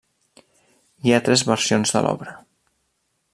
Hi ha tres versions de l'obra.